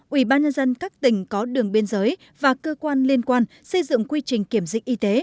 ủy ban nhân dân các tỉnh có đường biên giới và cơ quan liên quan xây dựng quy trình kiểm dịch y tế